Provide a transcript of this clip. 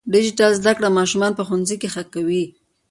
ډیجیټل زده کړه ماشومان په ښوونځي کې ښه کوي.